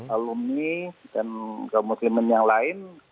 alumni dan kaum muslim yang lain